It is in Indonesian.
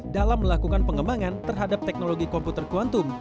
dalam melakukan pengembangan terhadap teknologi komputer kuantum